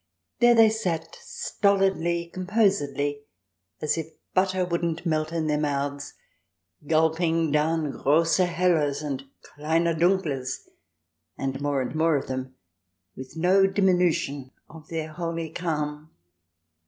There they sat, stolidly, composedly, CH. VI] BEER GARDENS n as if butter wouldn't melt in their mouths, gulping down grosse Hellers and kleiner Dunklers, and more and more of them, with no diminution of their holy calm.